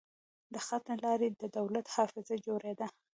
د خط له لارې د دولت حافظه جوړېده.